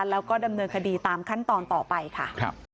แล้วก็ดำเนินคดีตามขั้นตอนต่อไปค่ะ